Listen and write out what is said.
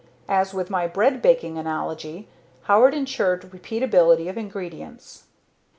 As with my bread baking analogy, Howard insured repeatability of ingredients.